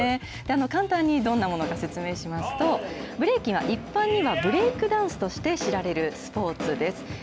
簡単にどんなものか説明しますと、ブレイキンは一般にはブレイクダンスとして知られるスポーツです。